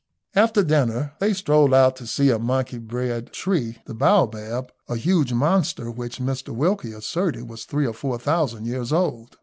After dinner they strolled out to see a monkey bread tree, the baobab, a huge monster which Mr Wilkie asserted was three or four thousand years old.